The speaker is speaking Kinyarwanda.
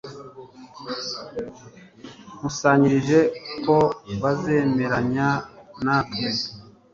Nkusanyije ko bazemeranya natwe